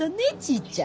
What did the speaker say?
ぃちゃん。